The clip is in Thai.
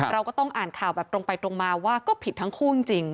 เราก็ต้องอ่านข่าวแบบตรงไปตรงมาว่าก็ผิดทั้งคู่จริง